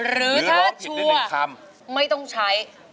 หรือถ้าชัวร์ไม่ต้องใช้